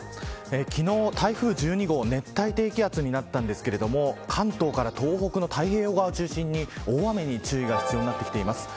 昨日、台風１２号熱帯低気圧になったんですけれども関東から東北の太平洋側を中心に大雨に注意が必要になってきています。